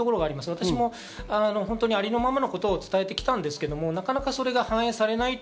私も、ありのままのことを伝えてきたんですけど、なかなかそれが反映されない。